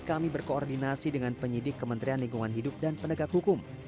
kami berkoordinasi dengan penyidik kementerian lingkungan hidup dan penegak hukum